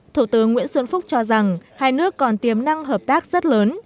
thủ tướng nguyễn xuân phúc cho rằng hai nước còn tiềm năng hợp tác rất lớn